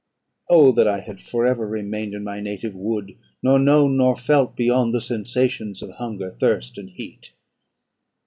Oh, that I had for ever remained in my native wood, nor known nor felt beyond the sensations of hunger, thirst, and heat!